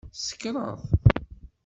Tsekṛeḍ!